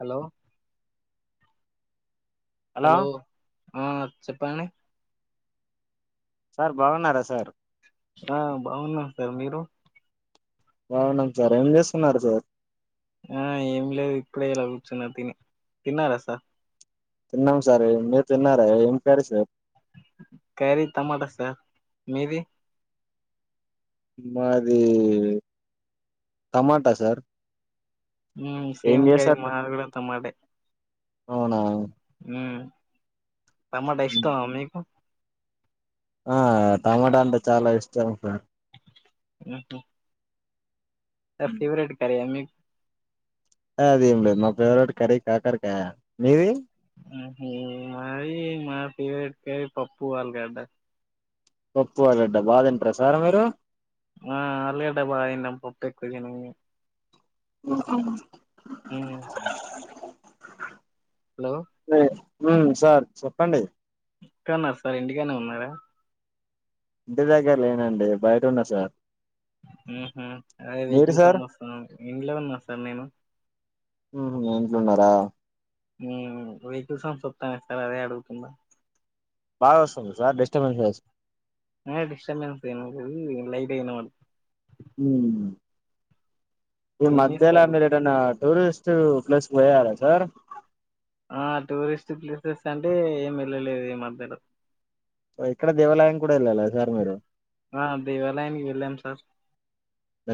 Hello hello ఆ చెప్పండి sir బాగున్నారా సార్ ఆ బాగున్నాను సార్ మీరు బావున్నాం సార్ ఏం చేస్తున్నారు సార్ ఆ ఏమి లేదు ఇప్పుడే ఇలా కూర్చున్నా తిని తిన్నారసార్ తిన్నాం సార్ మీరు తిన్నారా ఏం కురా సార్ క్యారీ టమాటా సార్ మీది మాది టమాటా సార్ ఉమే ఏం సేమ్ కే చేశారు సార్ మాది కూడ టమాటే అవునా హమ్ టమాట ఇష్టమా మీకు ఆ టమాటా అంటే చాలా ఇష్టం సం సార్ అఓంట న ఫెవరెట్ కర్రీయ మీకు అదేం లేదు మా ఫేవరెట్ కర్రీ కాకరకాయ మీది ఉహుమ్ మది మా ఫవరెట్ పప్పు ఆలుగడ్డ పప్పు ఆలుగడ్డ బాగా తింటారా సార్ మీరు ఆ ఆలుగడ్డ బాగా తింటాం పప్పు ఎక్కువ తినము ఉ ఆ హమ్ లే ఉమ్ సార్ చెప్పండి ఇక్కడ ఉన్నా సార్ ఇంటికడనే ఉన్నారా ఇంటి దగ్గర లేనండి బయట ఉన్న సార్ అహుమ్ అదే మీరు వెహికల్స్ సార్ సౌండ్ వస్తుంటే ఇంట్లో ఉన్నా సార్ నేను ఉహు ఇంట్లున్నారా ఉమ్ వెహికల్ సౌండ్స్ వస్తున్నాయి సార్ అదే అడుగుతున్న బాగా వస్తుందా సార్ డిస్టర్బెన్స్ డిస్టర్బెన్స్ ఏం లేదు లైట్ గా వినబడు అమ్ ఈ ఏం మధ్యల చేస్తారు మీరేడన్న టూరిస్ట్ ప్లేస్ పోయారా సార్ ఆ టూరిస్ట్ ప్లేసెస్ అంటే ఏం వెళ్లలేదు ఈ మధ్యలో ఇక్కడ దేవాలయం కూడా వెళ్ళాలా సార్ మీరు ఆ దేవాలయానికి వెళ్ళాం సార్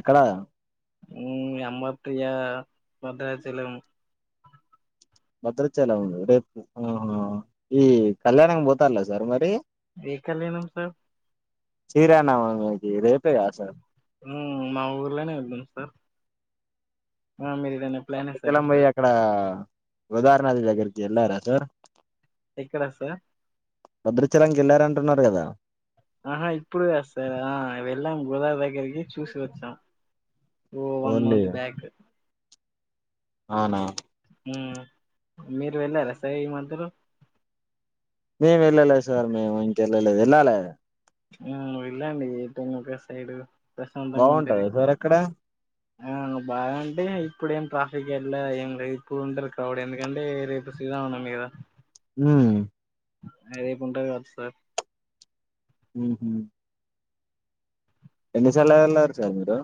ఎక్కడ ఉమ్ ఎంబత్ భద్రాచలం భద్రాచలం రేపు ఉమ్ ఆ ఈ కళ్యాణం పోతన్ల సార్ మరి ఏ కళ్యాణం సార్ శ్రీ రామనవమి అది రేపే కదా సార్ హ్మ్ మా ఊర్లోనే వెళ్తాం సార్ ఆ మీరూ భద్రాచలం పోయి అక్కడ గోదావరి నది దగ్గరికి ఎళ్ళారా సార్ ఎక్కడ సార్ భద్రాచలంకి వెళ్ళారంటున్నారు కదా ఆహా ఇప్పుడు కాదు సార్ ఆ వెళ్ళాం గోదావరి దగ్గరికి చూసి వచ్చాం ఓ వన్ ఓన్లీ మంత్ బ్యాక్ అవునా మీరు వెళ్ళారా సార్ ఈ మధ్యలో మేము వెళ్ళలేదు సార్ మేము ఇంకెళ్ళలేదు ఏళ్ళాలే హ్మ్ వెళ్ళండి ఎటైనా ఒక సైడు ప్రశాంతంగా బాగుంటదా ఉంటది సార్ అక్కడ ఆ బాగాంటే ఇప్పుడేం ట్రాఫిక్ ఎళ్ళ ఏం ఇప్పుడు ఉంటారు క్రౌడ్ ఎందుకంటే రేపు శ్రీరామ నవమి కదా మ్ అ రేపు ఉంటారూ కదా సార్ మ్ హ ఎన్నిసార్ల వెళ్ళారు సార్ మీరు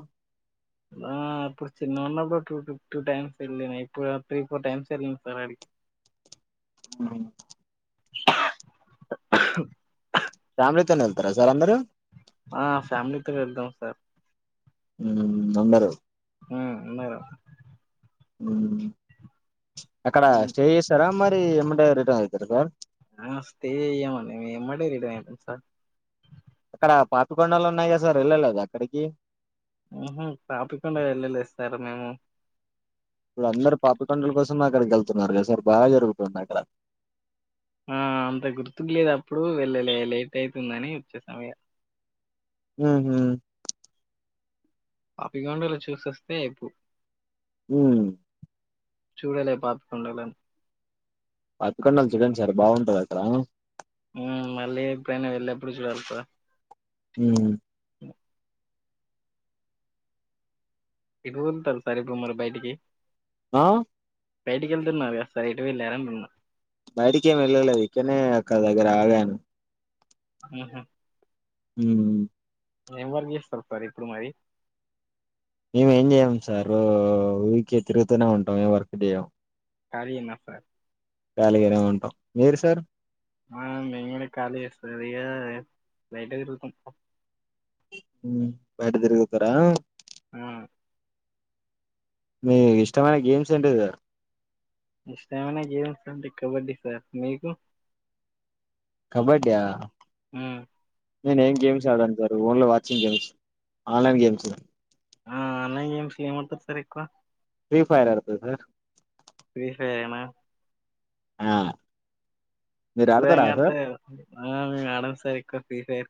ఆ అప్పుడు చిన్నగా ఉన్నప్పుడు టూ టూ టైమ్స్ వెళ్ళిన ఇప్పుడు త్రీ ఫోర్ టైమ్స్ వెళ్ళి ఉంటా అడికి ఫ్యామిలీతోనే వెళ్తారా సార్ అందరు ఆ ఫ్యామిలీతో వెళ్తాం సార్ మ్ అన్నరు ఆ అన్నారా అక్కడ ఉమ్, స్టే చేసారా మరి ఎమ్మటే రిటర్న్ ఏందీ సార్ మేము స్టే చేయమండి మేం ఎమ్మటే రిటర్న్ ఐతం సార్ అక్కడ పాపికొండలు ఉన్నాయి కదా సార్ వెళ్ళలేద అక్కడికి ఆహ పాపికొండ వెళ్లలేదు సార్ మేము ఇప్పుడు అందరు పాపికొండల కోసమే అక్కడికి వెళ్తున్నారు కదా సార్ బాగా జరుగుతుంది అక్కడ ఆ అంత గుర్తుకు లేదు అప్పుడు వెళ్ళలే లేట్ అవుతుందని వచ్చేసాం ఇగ ఉహు పాపికొండలు చూసిసోస్తే అయిపో ఉమ్ చూడలే పాపికొండలను పాపికొండలు చూడండి సార్ బాగుంటది అక్కడ ఆ మళ్ళీ ఎప్పుడైనా వెళ్ళనప్పుడు చూడాలి సార్ ఉహు [unintelligible] సార్ ఇప్పుడు మరి బయటికి ఆ బయటికి వెళ్తున్నా సరే ఎట్టు వెళ్ళారా అన్న బయటికి ఏం వెళలే ఇక్కనే అక్క దగ్గర ఆగాను ఆహా ఉఊ ఏం వర్క్ చేస్తారు సార్ ఇప్పుడు మరి మేమేం చేయం సార్ ఊరికే తిరుగుతూనే ఉంటాం ఏం వర్క్ చేయం కారీ నఫర్ ఖాళీగానే ఉంటాం మీరు సార్ ఆ మే కళీస్తదిగా లైట్తు ఉమ్ బయట తిరుగుతారా ఆ మీ ఇష్టమైన గేమ్స్ ఏంటిది ఇష్టమైన గేమ్స్ అంటే కబడ్డీ సార్ మీకు కబడ్యా ఊ నేను ఏం గేమ్స్ ఆడను sir only watching games online games ఆ ఆన్లైన్ గేమ్స్ ఏమంటది సార్ ఎక్కువ ఫ్రీ ఫైర్ ఆడుతా సార్ ఫ్రీ ఫైర్ ఏనా ఆ మీరు ఆడతారా సార్ ఇవంతా ఆ మేడంమ్ సార్క్క ఫీ స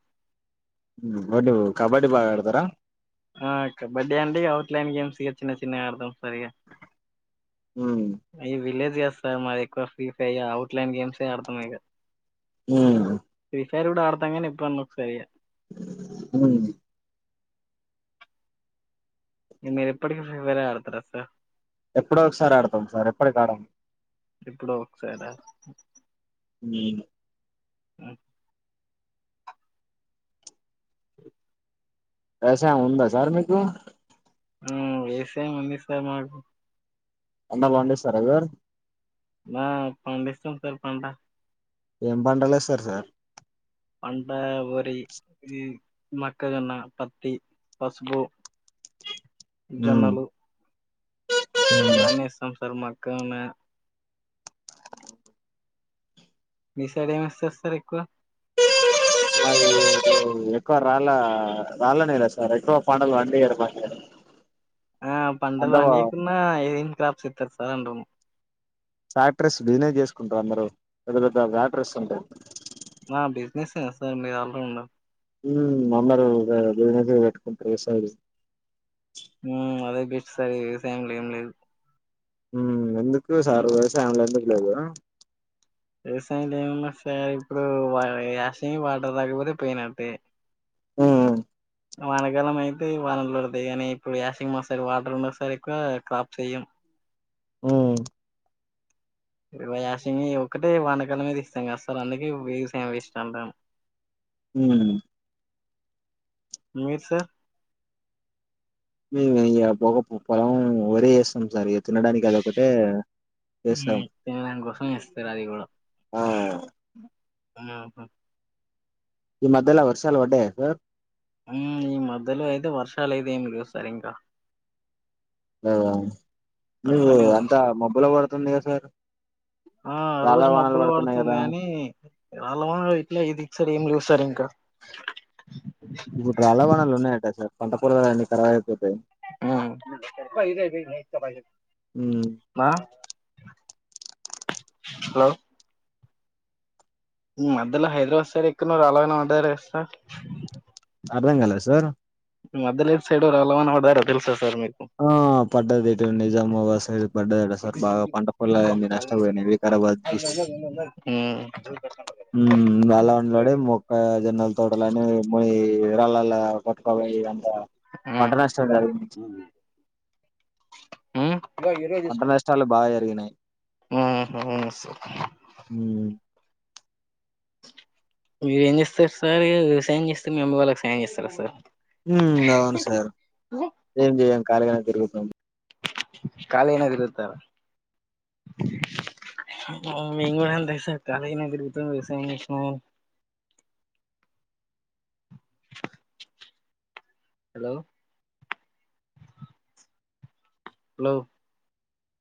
బడీ కబడ్డి బాగా ఆడతారా ఆ కబడ్డీ అంటే అఔట్లైన్ గేమ్స్ గా చిన్న చిన్న ఆడుతాం సరిగ ఉమ్, మీరు విలేజ్ సార్ మాది ఎక్కువ ఫ్రీ ఫైర్ అవుట్లైన్ గేమ్సే ఆడతాం ఇక ఊ సారి కూడా ఆడతంని ఇప్పుడు అన్న ఒకసారి ఉమ్ ఇ మీరు ఎప్పుటికి ఫ్రీ ఫైరే ఆడుతారా సార్ ఎప్పుడో ఒకసారి ఆడతాం సార్ ఎప్పటికి ఆడం ఎప్పుడో ఒకసార ఉమ్. ఆ వ్యవసాయం ఉందా సార్ మీకు ఊ వ్యవసాయం ఉంది సార్ మాకు పంట పండిస్తారా మీరు ఆ పండిస్తాం సార్ పంట ఏం పంటలు వేస్తారు సార్ పంట ఒరి ఇది మొక్కజొన్న పత్తి పసుపు జొన్నలు ఇవన్నీ వేస్తాం సార్ మాకు ఇంకా ఉన్నాయా మీ సైడ్ ఏమి వేస్తారు సార్ ఎక్కువ అ ఎక్కువ రాళ్ల రాళ్ల నేలలు సార్ ఎక్కువ పండలు పండియరు ఆ పండవు అంతా పంకున్నా ఏన్ క్రాప్స్ ఇస్తారు సార్ అండము ఫ్యాక్టరీస్ బిజినెస్ చేసుకుంటారు అందరు పెద్ద పెద్ద ప్రాక్టీరీస్ ఉంటాయి ఆ బిజినెస్ సార్ మీరు ఆల్రౌండర్ అందరూ [unintelligible] అదే బెస్ట్ సార్ వ్యవసాయం లో ఏం లేదు ఎందుకు సార్ వ్యవసాయంలో ఎందుకు లేదు వ్యవసాయ లో ఏమన్నా సార్ ఇప్పుడు యాస వాటర్ రాకపోతే పోయినట్టే మ్మ్ వానకాలం అయితే వానలుడతాయి కానీ ఇప్పుడు వాషింగ్ మసన్ వాటర్ ఉన్న సారి ఎక్కువ క్రాప్ చెయ్యం మ్మ్ యాసి ఒకక్కటే వనకాలం మీది ఇస్తాం కదా సార్ అందుక వేస ఏమి వేస్ అంటాం హ అ మీ సార్ [unintelligible] వారి [unintelligible] తినడానికి అది ఒకటే చేస్తాం ఉమ్, తినడం కోసం ఇస్తారు అది కూడా ఆహా ఈ మధ్యల వర్షాలు వడ్డే సార్ ఈ మధ్యలో అయితే వర్షాలు అయితే ఏమి లే సరి ఇంకా అవు తక్కువనే ఉంది కదా సార్ ఆ రాళ్ళ రోజు వానలు మబ్బులు పడుతున్నాయి పడుతుంది కదా కాని రాళ్ల ఇట్లా ఇదిసారు ఏం చ సరే అక ఇప్పుడు రాలావణాలు ఉన్నాయటా సార్ పంటపరన్ని కరావ మా ఉమ్, హలో మధ్యలో హైదరాబాద్ సార్ ఎక్క్కడనరు అలాగనా వడ సార్ అర్థం కాలా సార్ మద్యలేదు సైడ్ అలా మ అడదార తెల్సా స మీకు ఆ పడ్డది ఇటు నిజామాబాద్ సైడ్ పడ్డదట సార్ బాగా పంట పొలాలన్నీ నష్టపోయినాయి వికారాబాద్ డిస్టిక్ అలా ఉండలాడి మొక్క జొన్నలు తోట ని ము ఇ రాళాల కొట్కోవాల పట్టణష్టం అంటర్నేషనల్ బాగాయి ఉ మ్ మీరు ఏం చేస్తారు సార్ సైన్ చేస్తారు మీ అమ్బయి వాళ్ళకి సైన్ చేస్తారు సార్ ఉ అవును సార్ ఏం చేం కాలగా రూపం ఖాళీ ఏనగతార ఇంగ్సా కాళీనగు తిరుగుతరు [unintelligible] హలో హలో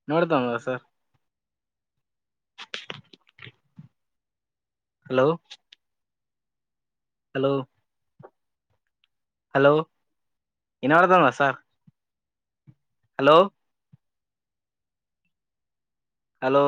నోడతామ సర్ హలో హలో హలో ఇనబడతంద సార్ హలో హలో